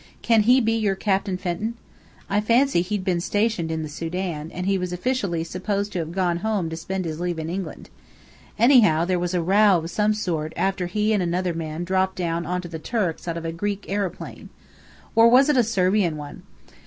"Can he be your Captain Fenton? I fancy he'd been stationed in the Sudan; and he was officially supposed to have gone home to spend his leave in England. Anyhow, there was a row of some sort after he and another man dropped down on to the Turks out of a Greek aeroplane. Or was it a Servian one?